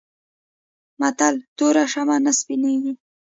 متل: توره شمه نه سپينېږي.